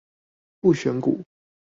不選股